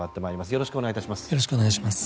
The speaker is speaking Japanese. よろしくお願いします。